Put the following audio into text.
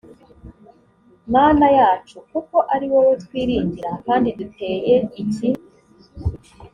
mana yacu kuko ari wowe twiringira kandi duteye iki